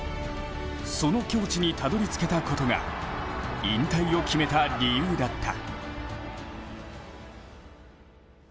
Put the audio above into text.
その境地にたどり着けたことが引退を決めた理由だった。